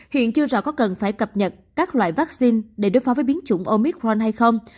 hiện chưa rõ có cần phải cập nhật các loại vaccine để đối phó với biến chủng omicron hay không